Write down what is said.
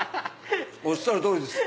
おっしゃる通りです。